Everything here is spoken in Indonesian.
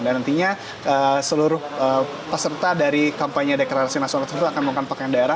dan nantinya seluruh peserta dari kampanye deklarasi nasional itu akan menggunakan pakaian daerah